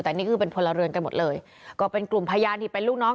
แต่นี่คือเป็นพลเรือนกันหมดเลยก็เป็นกลุ่มพยานที่เป็นลูกน้อง